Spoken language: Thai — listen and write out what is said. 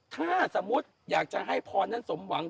ถ้าสมมุติอยากจะให้พรนั้นสมหวัง